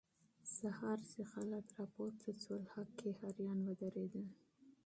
سهار چې خلک راپاڅېدل، هکي اریان ودرېدل.